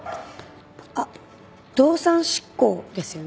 あっ「動産執行」ですよね。